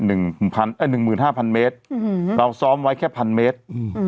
หนึ่งหมื่นหาพันเมตรเราซ้อมไว้แค่พันเมตร